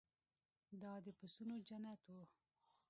دا د پسونو جنت و.